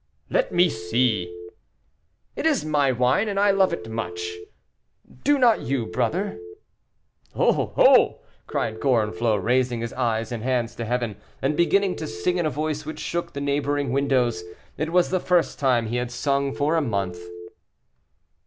"Let me see!" "It is my wine, and I love it much; do not you, brother?" "Oh! oh!" cried Gorenflot, raising his eyes and hands to Heaven, and beginning to sing in a voice which shook the neighboring windows. It was the first time he had sung for a month.